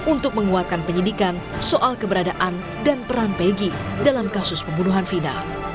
untuk menguatkan penyidikan soal keberadaan dan peran pegi dalam kasus pembunuhan vina